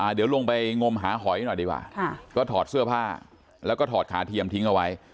เดี๋ยวลงไปงมหาหอยหน่อยดีกว่าก็ถอดเสื้อผ้าแล้วก็ถอดขาเทียมทิ้งเอาไว้